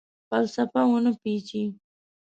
فلسفه ونه پیچي